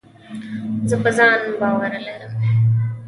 زه په ځان باور لرم.